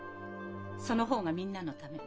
その方がみんなのため。